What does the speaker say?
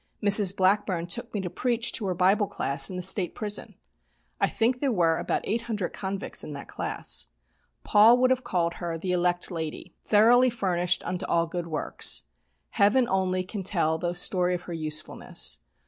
Mrs. Blackburn took me to preach to her Bible Class in the State Prison. I think there were about 800 convicts in that class. Paul would have called her "The elect lady," "Thoroughly furnished unto all good works." Heaven only can tell the story of her usefulness.